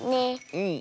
うん。